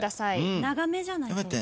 ・長めじゃないと。